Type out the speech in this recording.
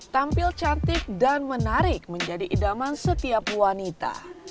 tampil cantik dan menarik menjadi idaman setiap wanita